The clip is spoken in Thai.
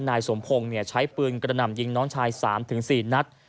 นายสมพงศ์ใช้ปืนกระหน่ำยิงน้องชาย๓๔นัด